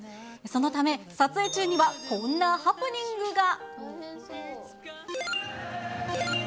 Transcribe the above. そのため、撮影中にはこんなハプニングが。